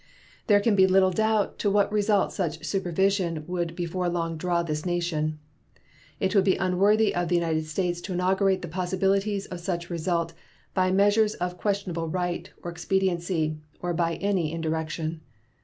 There can be little doubt to what result such supervision would before long draw this nation. It would be unworthy of the United States to inaugurate the possibilities of such result by measures of questionable right or expediency or by any indirection.